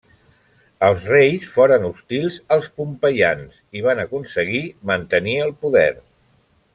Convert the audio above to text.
Els reis foren hostils als pompeians i van aconseguir mantenir el poder.